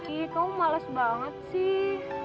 iya kamu males banget sih